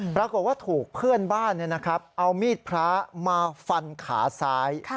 ปรากฏว่าถูกเพื่อนบ้านเอามีดพระมาฟันขาซ้าย